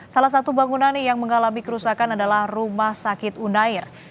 salah satu bangunan yang mengalami kerusakan adalah rumah sakit unair